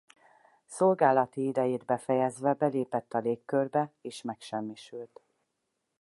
Szolgálati idejét befejezve belépett a légkörbe és megsemmisült.